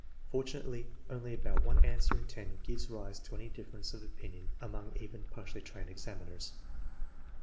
Fortunately, only about one answer in ten gives rise to any difference of opinion among even partly trained examiners.